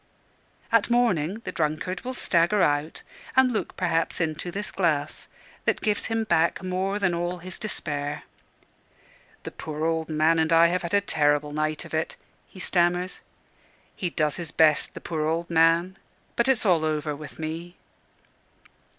At morning, the drunkard will stagger out, and look perhaps into this glass, that gives him back more than all his despair. "The poor old man and I have had a terrible night of it," he stammers; "he does his best the poor old man! but it's all over with me."